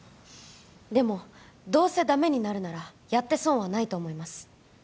でもどうせダメになるならやって損はないと思います